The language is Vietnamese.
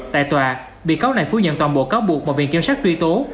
tại tòa bị cáo này phú nhận toàn bộ cáo buộc mà viện kiểm sát truy tố